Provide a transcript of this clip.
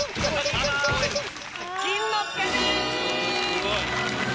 すごい。